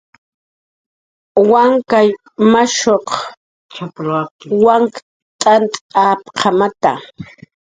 Wankay mashuq wank t'ant apqamata